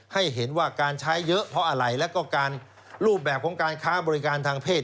ให้เห็นว่าการใช้เยอะเพราะอะไรแล้วก็การรูปแบบของการค้าบริการทางเพศ